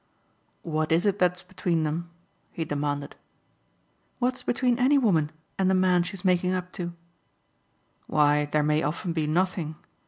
"What is it that's between them?" he demanded. "What's between any woman and the man she's making up to?" "Why there may often be nothing.